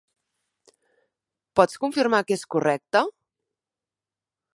Pots confirmar que és correcte?